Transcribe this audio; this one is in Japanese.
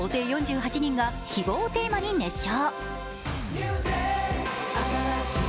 総勢４８人が希望をテーマに熱唱。